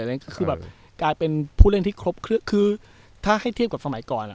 นั่นก็คือแบบกลายเป็นผู้เล่นที่ครบเครื่องคือถ้าให้เทียบกับสมัยก่อนอ่ะ